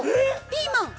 ◆ピーマン！